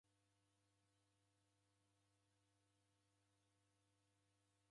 W'ele, ni w'asi ki ghuko Daw'ida?